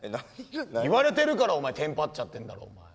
言われてるからお前テンパっちゃってんだろう。